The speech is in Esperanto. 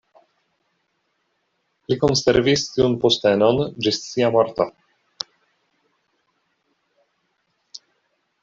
Li konservis tiun postenon ĝis sia morto.